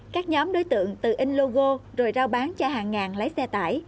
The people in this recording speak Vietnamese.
các nhóm đối tượng từ in logo rồi rao bán cho hàng ngàn lái xe tải